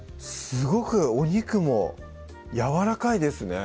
すごくお肉もやわらかいですね